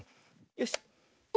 よし。